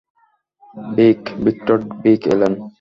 ভিক, - Victor Vic এলেন।